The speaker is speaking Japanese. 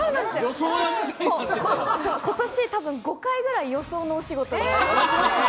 今年、たぶん５回ぐらい予想のお仕事が。